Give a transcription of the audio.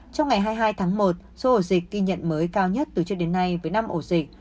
trong ngày hai mươi hai tháng một số ổ dịch ghi nhận mới cao nhất từ trước đến nay với năm ổ dịch